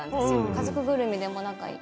家族ぐるみでも仲いい。